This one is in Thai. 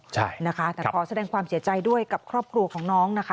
ใช่นะคะแต่ขอแสดงความเสียใจด้วยกับครอบครัวของน้องนะคะ